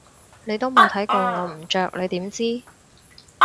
你都冇睇過我唔着你點知？